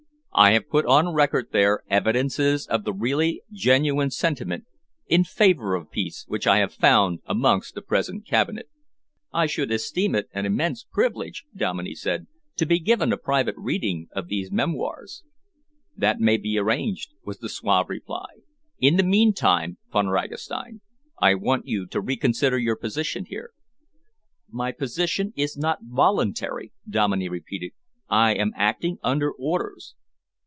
I have put on record there evidences of the really genuine sentiment in favour of peace which I have found amongst the present Cabinet." "I should esteem it an immense privilege," Dominey said, "to be given a private reading of these memoirs." "That may be arranged," was the suave reply. "In the meantime, Von Ragastein, I want you to reconsider your position here." "My position is not voluntary," Dominey repeated. "I am acting under orders."